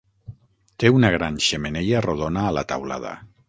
Té una gran xemeneia rodona a la taulada.